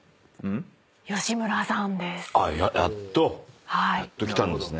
吉村さんです。